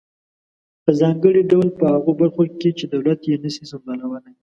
په ځانګړي ډول په هغه برخو کې چې دولت یې نشي سمبالولای.